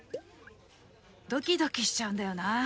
ドキドキしちゃうんだよなあ。